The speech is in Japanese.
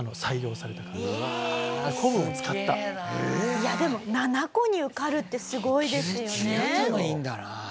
いやでも７校に受かるってすごいですよね。